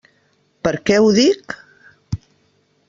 Per què ho dic?